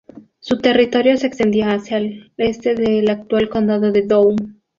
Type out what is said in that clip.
Su territorio se extendía hacia el este del actual Condado de Down.